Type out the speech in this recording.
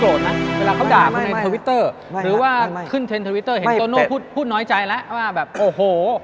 เวลาเขาด่าเขาในทวิตเตอร์หรือว่าขึ้นเทรนด์ทวิตเตอร์เห็นโตโน่พูดน้อยใจแล้วว่าแบบโอ้โห